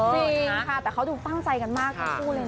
สิ่งค่ะแต่เขาถูกป้องใจกันมากพี่ผู้เลยนะ